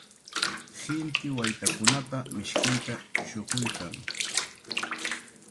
qinti waytakunapa mishkinta shuquykan.